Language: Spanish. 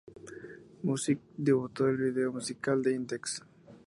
Music" debutó el video musical de "Index".